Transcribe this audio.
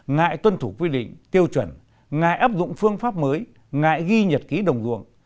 ngại tuân thủ quy định tiêu chuẩn ngại áp dụng phương pháp mới ngại ghi nhật ký đồng ruộng